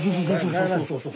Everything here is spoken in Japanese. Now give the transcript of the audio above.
そうそうそうそう。